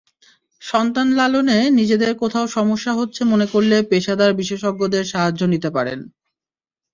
সন্তান লালনে নিজেদের কোথাও সমস্যা হচ্ছে মনে করলে পেশাদার বিশেষজ্ঞদের সাহায্য নিতে পারেন।